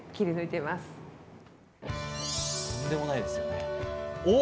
とんでもないですよね。